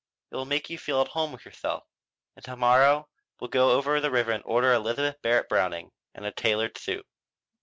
It will make you feel at home with yourself. And to morrow we'll go over the river and order Elizabeth Barrett Browning and a tailored suit."